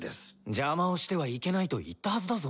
邪魔をしてはいけないと言ったはずだぞ。